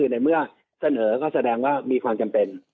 ในเมื่อเสนอก็แสดงว่ามีความจำเป็น